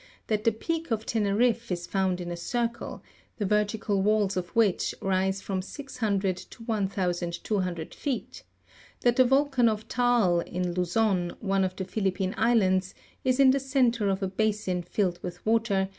104) ; that the peak of Teneriffe is found in a circle, the vertical walls of which rise from 600 to 1200 feet; that the volcan of Taal, in Luzon, one of the Philip pine islarids, is in the centre of a basin filled with water, and sur 17.